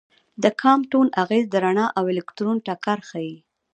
د کامپټون اغېز د رڼا او الکترون ټکر ښيي.